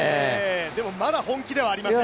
でもまだ本気ではありません。